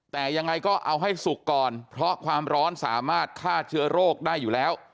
แต่ยังไงก็เอาให้สุกก่อนเพราะความร้อนสามารถฆ่าเชื้อโรคได้อยู่แล้ว